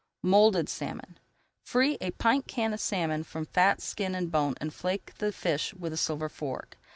MOULDED SALMON Free a pint can of salmon from fat, skin, and bone and flake the fish with a silver fork.